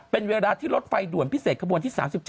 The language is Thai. เป็นเวลาที่รถไฟด่วนพิเศษขบวนที่๓๗